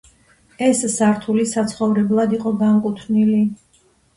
ეს სართული საცხოვრებლად იყო განკუთვნილი.